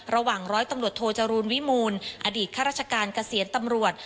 ร้อยตำรวจโทจรูลวิมูลอดีตข้าราชการเกษียณตำรวจ